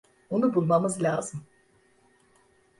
Onu bulmamız lazım.